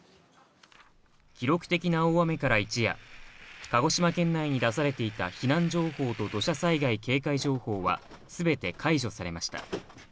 記録的な大雨から一夜、鹿児島県内に出されていた避難情報と土砂災害警戒情報は全て解除されました。